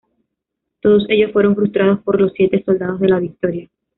Todos ellos fueron frustrados por los Siete Soldados de la Victoria.